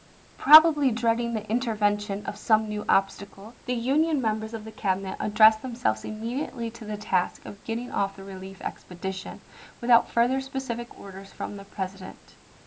Probably dreading the intervention of some new obstacle, the Union members of the Cabinet ad dressed themselves immediately to the task of getting off the relief expedition, without further specific orders from the President.